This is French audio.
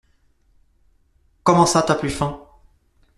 Comment ça t'as plus faim?